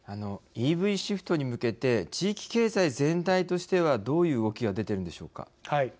ＥＶシフトに向けて地域経済全体としてはどういう動きが出てるんでしょうか。